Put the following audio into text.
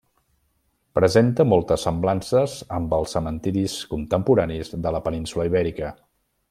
Presenta moltes semblances amb els cementiris contemporanis de la península Ibèrica.